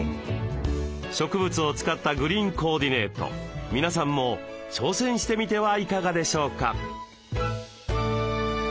植物を使ったグリーンコーディネート皆さんも挑戦してみてはいかがでしょうか。